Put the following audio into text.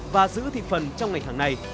và giữ thịt phần trong ngành hàng này